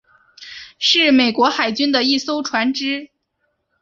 是美国海军的一艘船只。